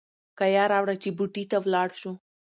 کیه راوړه چې بوټي ته ولاړ شو.